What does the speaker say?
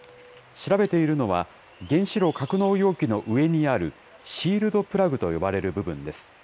調べているのは、原子炉格納容器の上にあるシールドプラグと呼ばれる部分です。